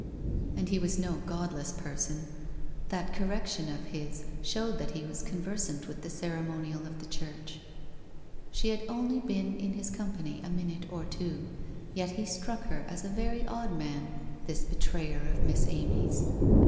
And he was no godless person; that correction of his showed that he was conversant with the ceremonial of the church. She had only been in his company a minute or two, yet he struck her as a very odd man, this betrayer of Miss Amy's !